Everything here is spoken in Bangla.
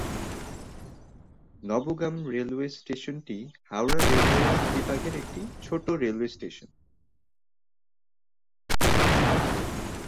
নবগ্রাম রেলওয়ে স্টেশনটি হাওড়া রেলওয়ে বিভাগের একটি ছোট রেলওয়ে স্টেশন।